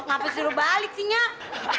ngapes suruh balik sih nyak